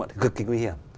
thì cực kỳ nguy hiểm